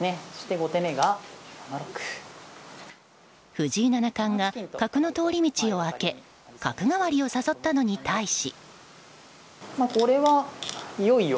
藤井七冠が角の通り道を開け角換わりを誘ったのに対し。